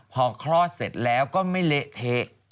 พอเคราะห์เสร็จแล้วก็ไม่เละเทก